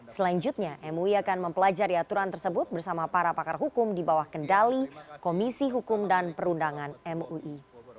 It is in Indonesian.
selanjutnya mui akan mempelajari aturan tersebut bersama para pakar hukum di bawah kendali komisi hukum dan perundangan mui